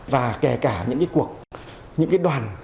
và kể cả những cuộc những đoàn